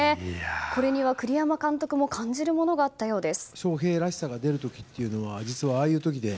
これには栗山監督も感じるものがあったようです。